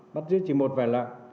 bắt giữ chỉ một vài lạ